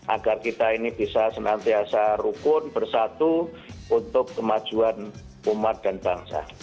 agar kita ini bisa senantiasa rukun bersatu untuk kemajuan umat dan bangsa